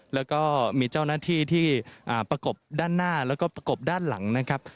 แล้วก็มีเจ้าหน้าที่ที่ประกบด้านหน้าแล้วก็ประกบด้านหลังนะครับ